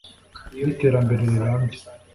n’iterambere rirambye